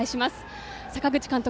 阪口監督